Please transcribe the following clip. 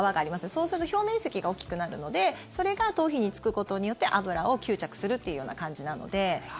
そうすると表面積が大きくなるのでそれが頭皮につくことによって脂を吸着するっていうような感じなので。